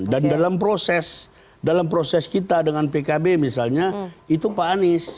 dan dalam proses dalam proses kita dengan pkb misalnya itu pak anies